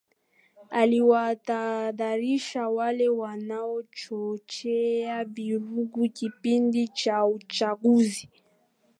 aliwaatahadharisha wale wanaochochea vurugu kipindi cha uchaguzi